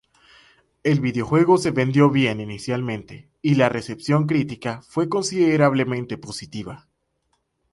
El videojuego se vendió bien inicialmente y la recepción crítica fue considerablemente positiva.